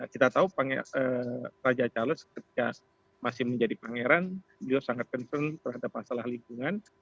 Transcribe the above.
kita tahu raja charles ketika masih menjadi pangeran beliau sangat concern terhadap masalah lingkungan